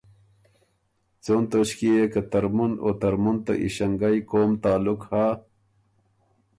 څون توݭکيې يې که ترمُن او ترمُن ته ایݭنګئ قوم تعلق هۀ،